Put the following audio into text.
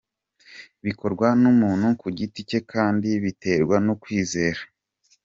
Bikorwa n’umuntu ku giti cye kandi biterwa no kwizera”.